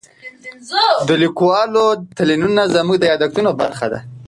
د لیکوالو تلینونه زموږ د یادښتونو برخه ده.